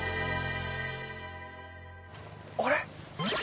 あれ？